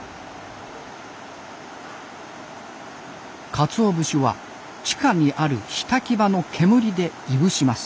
かつお節は地下にある火焚場の煙でいぶします。